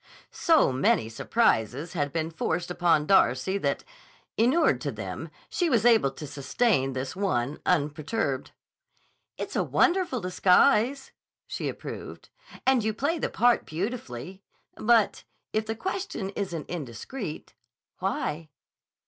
So many surprises had been forced upon Darcy that, inured to them, she was able to sustain this one unperturbed. "It's a wonderful disguise," she approved. "And you play the part beautifully. But, if the question isn't indiscreet, why?"